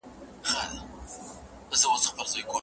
په چارشنبې مې ډېوې بلې په زيارت کې پرېږده